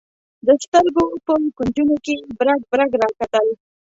د سترګو په کونجونو کې یې برګ برګ راکتل.